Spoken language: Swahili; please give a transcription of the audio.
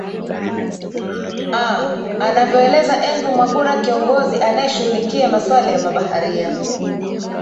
a anavyoeleza andrew mwagura kiongozi anayeshughulikia maswali ya mabaharia